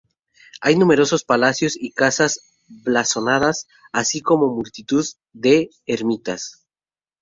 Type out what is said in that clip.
Hay numerosos palacios y casas blasonadas, así como multitud de ermitas.